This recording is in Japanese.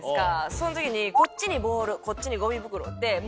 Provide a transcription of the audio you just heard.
その時にこっちにボウルこっちにゴミ袋。